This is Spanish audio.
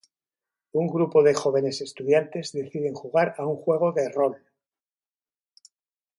Un grupo de jóvenes estudiantes deciden jugar a un juego de rol.